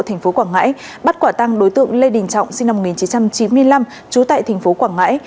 thành phố quảng ngãi bắt quả tăng đối tượng lê đình trọng sinh năm một nghìn chín trăm chín mươi năm trú tại thành phố quảng ngãi